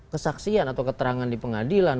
kesaksian atau keterangan di pengadilan